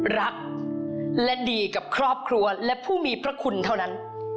รักและดีกับครอบครัวและผู้มีพระคุณเท่านั้น